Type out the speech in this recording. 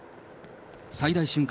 最大瞬間